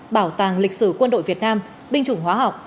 bảo tàng lịch sử quân đội việt nam binh chủng hóa học